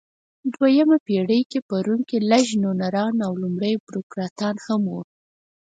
دویمه پېړۍ کې په روم کې لژنونران او لومړۍ بوروکراتان هم وو.